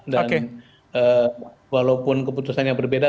dan walaupun keputusannya berbeda